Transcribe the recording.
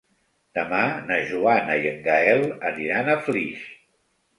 Demà na Joana i en Gaël aniran a Flix.